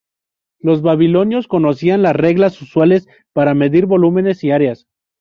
Los babilonios conocían las reglas usuales para medir volúmenes y áreas.